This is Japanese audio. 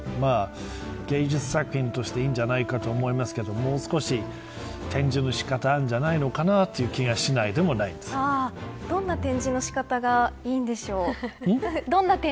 芸術作品としていいんじゃないかと思いますけどもう少し、展示の仕方があるんじゃないかという気がどんな展示の仕方がいいんでしょう。